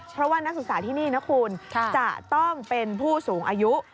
เพราะว่านักศึกษาที่นี่นะคุณจะต้องเป็นผู้สูงอายุ